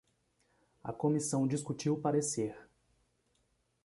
A comissão discutiu o parecer